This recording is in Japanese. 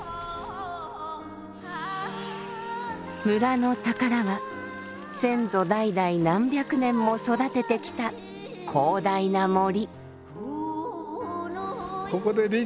村の宝は先祖代々何百年も育ててきた広大な森。